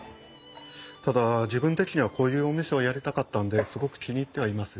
ただ自分的にはこういうお店をやりたかったんですごく気に入ってはいます。